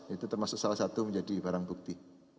itu termasuk salah satu menjadi barang bukti